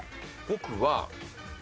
僕は。